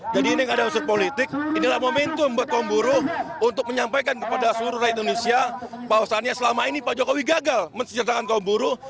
jadi ini yang ada usaha politik inilah momentum buat kaum buruh untuk menyampaikan kepada seluruh rakyat indonesia bahwa selama ini pak jokowi gagal menceritakan kaum buruh